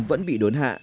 vẫn bị đốn hạ